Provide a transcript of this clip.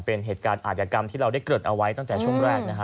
เป็นเหตุการณ์อาจกรรมที่เราได้เกริ่นเอาไว้ตั้งแต่ช่วงแรกนะฮะ